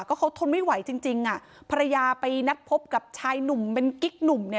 ก็เขาทนไม่ไหวจริงอ่ะภรรยาไปนัดพบกับชายหนุ่มเป็นกิ๊กหนุ่มเนี่ย